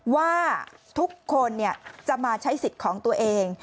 ว่าทุกคนจะมาใช้สิทธิ์ของตัวเอง